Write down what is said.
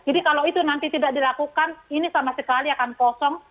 jadi kalau itu nanti tidak dilakukan ini sama sekali akan kosong